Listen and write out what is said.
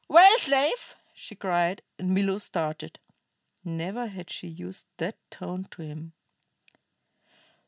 "Well, slave?" she cried, and Milo started. Never had she used that tone to him.